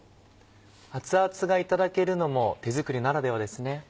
熱々がいただけるのも手作りならではですね。